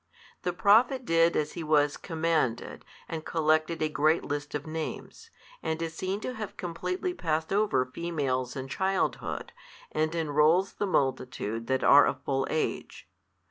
The Prophet did as he was commanded, and collected a great list of names, and is seen to have completely passed over females and childhood, and enrols the multitude that are of full age.